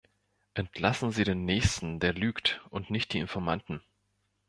Entlassen Sie den Nächsten, der lügt, und nicht die Informanten!